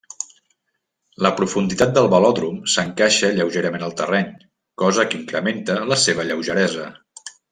La profunditat del velòdrom s'encaixa lleugerament al terreny, cosa que incrementa la seva lleugeresa.